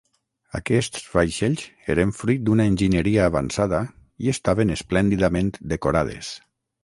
Aquests vaixells eren fruit d'una enginyeria avançada i estaven esplèndidament decorades.